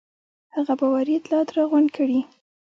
هغه باوري اطلاعات راغونډ کړي.